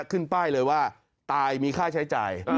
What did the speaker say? ขึ้นป้ายเลยว่าตายมีค่าใช้จ่าย